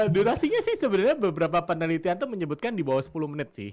durasinya sih sebenarnya beberapa penelitian itu menyebutkan di bawah sepuluh menit sih